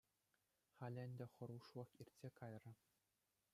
Халӗ ӗнтӗ хӑрушлӑх иртсе кайрӗ.